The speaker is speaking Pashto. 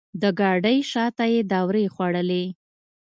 د ګاډۍ شاته یې دورې خوړلې.